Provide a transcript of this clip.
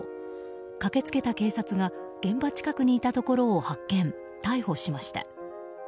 駆け付けた警察が現場近くにいたところを発見逮捕しました。